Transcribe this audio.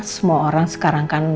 semua orang sekarang kan